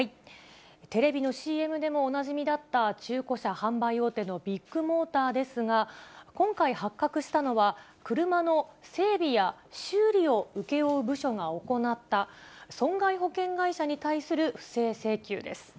テレビのＣＭでもおなじみだった、中古車販売大手のビッグモーターですが、今回発覚したのは、車の整備や修理を請け負う部署が行った、損害保険会社に対する不正請求です。